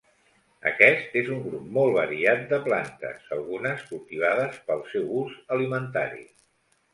Aquest és un grup molt variat de plantes, algunes cultivades pel seu ús alimentari.